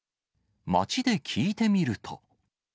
街で聞いてみると。